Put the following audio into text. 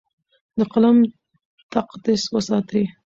د قلم تقدس وساتئ.